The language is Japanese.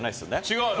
違うよ！